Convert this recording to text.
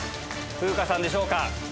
風花さんでしょうか？